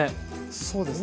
そうですね。